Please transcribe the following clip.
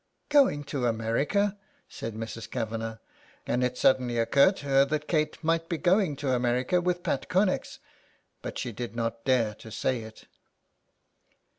^' Going to America," said Mrs. Kavanagh, and it suddenly occurred to her that Kate might be going to America with Pat Connex, but she did not dare to say it.